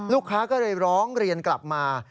ลูกค้าก็เลยร้องเรียนกลับมา